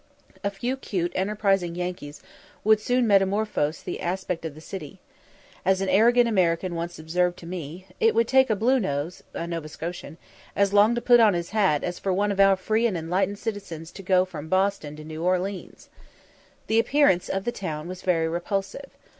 A few 'cute enterprising Yankees would soon metamorphose the aspect of this city. As an arrogant American once observed to me, "It would take a 'Blue Nose' (a Nova Scotian) as long to put on his hat as for one of our free and enlightened citizens to go from Bosting to New Orleens." The appearance of the town was very repulsive.